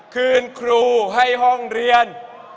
คืนครูให้ห้องเรียน